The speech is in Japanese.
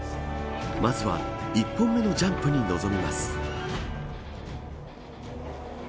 まずは１本目のジャンプに臨みます。